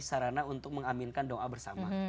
sarana untuk mengaminkan doa bersama